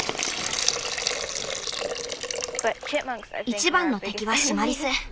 一番の敵はシマリス。